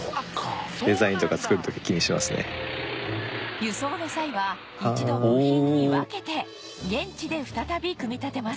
輸送の際は一度部品に分けて現地で再び組み立てます